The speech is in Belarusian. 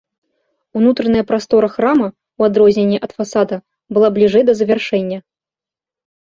Унутраная прастора храма, у адрозненне ад фасада была бліжэй да завяршэння.